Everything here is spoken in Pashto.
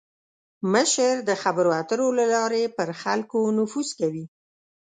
مشر د خبرو اترو له لارې پر خلکو نفوذ کوي.